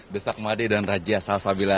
desak made dan rajia salsabila